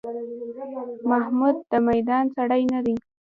محمود د میدان سړی نه دی.